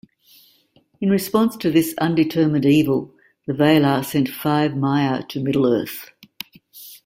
In response to this undetermined evil, the Valar sent five Maiar to Middle-earth.